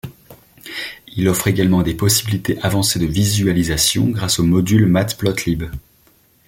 Il offre également des possibilités avancées de visualisation grâce au module matplotlib.